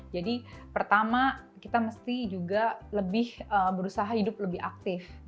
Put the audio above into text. jadi pertama kita mesti juga lebih berusaha hidup lebih aktif